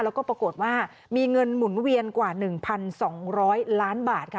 แล้วก็ปรากฏว่ามีเงินหมุนเวียนกว่า๑๒๐๐ล้านบาทค่ะ